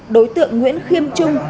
đối tượng nguyễn khiêm trung